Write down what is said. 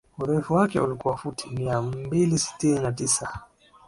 urefu wake ulikuwa futi mia mbili sitini na tisa